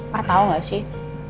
papa tau gak sih